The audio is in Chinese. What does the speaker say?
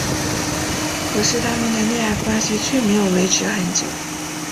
可是他们的恋爱关系却没有维持很久。